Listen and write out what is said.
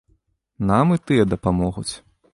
Нам і тыя дапамогуць.